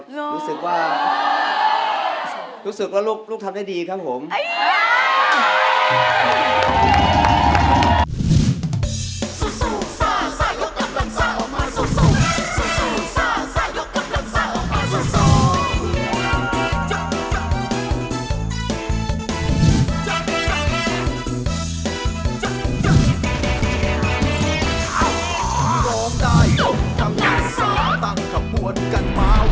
รู้สึกว่าลูกทำได้ดีครับผม